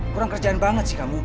kurang kerjaan banget sih kamu